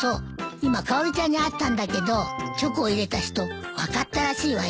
今かおりちゃんに会ったんだけどチョコを入れた人分かったらしいわよ。